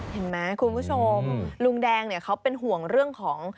เห็นไหมคุณผู้ชมลุงแดงเนี่ยเขาเป็นห่วงเรื่องของ